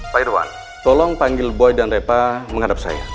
pak irwan tolong panggil boy dan repa menghadap saya